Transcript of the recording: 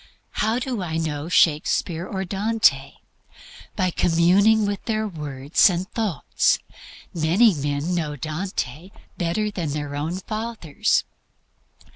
How do I know Shakspere or Dante? By communing with their words and thoughts. Many men know Dante better than their own fathers.